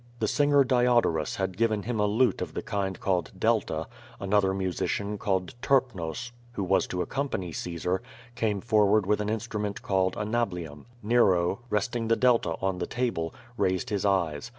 The singer Diodorus had given him a lute of the kind called delta; another musician, named Terpnos, who was to accom« pany Caesar, came forward ^ith an instrument called a nablium. Nero, resting the delta on the table, raised his eyes.